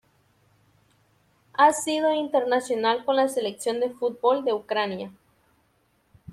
Ha sido internacional con la selección de fútbol de Ucrania.